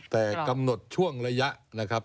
แต่กำหนดช่วงระยะนะครับ